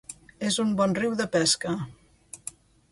És un bon riu de pesca.